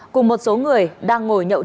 cùng một số người đang ngồi nhậu